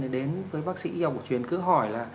đến với bác sĩ y học cổ truyền cứ hỏi là